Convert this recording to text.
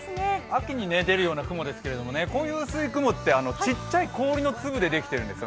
秋に出るような雲ですけれども、こういう薄い雲って小さい氷の粒でできているんです